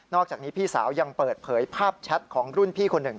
อกจากนี้พี่สาวยังเปิดเผยภาพแชทของรุ่นพี่คนหนึ่ง